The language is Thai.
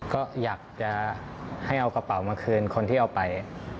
ก็อยากจะให้เอากระเป๋ามาคืนคนที่เอาไป